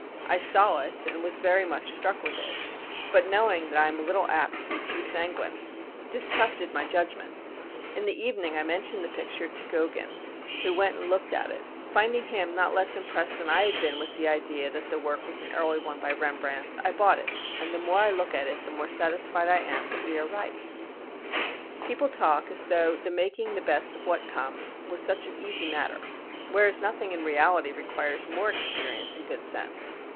I saw it and was very much struck with it, but, knowing that I am a little apt to be too sanguine, distrusted my judgment; in the evening I mentioned the picture to Gogin who went and looked at it; finding him not less impressed than I had been with the idea that the work was an early one by Rembrandt, I bought it, and the more I look at it the more satisfied I am that we are right. People talk as though the making the best of what comes was such an easy matter, whereas nothing in reality requires more experience and good sense.